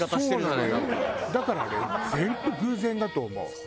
だからあれ全部偶然だと思う。